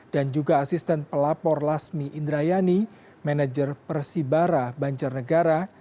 dan juga asisten pelapor lasmi indrayani manajer persibara banjar negara